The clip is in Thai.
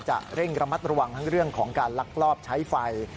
เร่งระมัดระวังทั้งเรื่องของการลักลอบใช้ไฟ